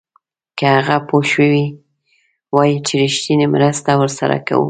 که هغه پوه شوی وای چې رښتینې مرسته ورسره کوو.